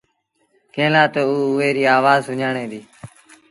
ڪݩهݩ لآ تا او اُئي ريٚ آوآز سُڃآڻي دينٚ۔